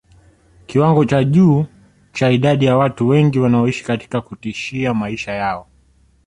Kiwango cha juu cha idadi ya watu wengi wanaoishi katika kutishia maisha yao